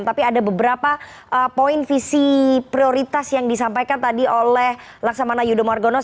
tapi ada beberapa poin visi prioritas yang disampaikan tadi oleh laksamana yudho margonos